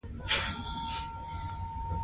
لوستې میندې د ماشوم ژوند ښه کوي.